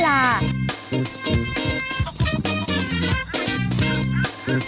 เผ้าใส่ไข่ซบกว่าไข่ไหม้กว่าเดิม